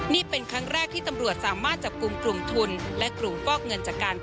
นี่เป็นครั้งแรกที่ตำรวจสามารถจับกลุ่มกลุ่มทุนและกลุ่มฟอกเงินจากการ